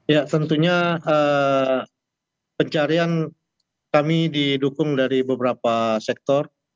ya tentunya pencarian kami didukung dari beberapa sektor